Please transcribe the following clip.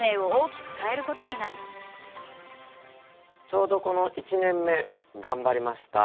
ちょうどこの１年目頑張りました。